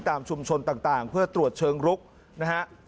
ตามชุมชนต่างเพื่อตรวจเชิงรุกนะฮะ